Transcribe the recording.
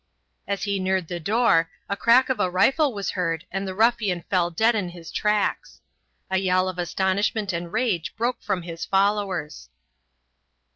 As he neared the door a crack of a rifle was heard and the ruffian fell dead in his tracks. A yell of astonishment and rage broke from his followers.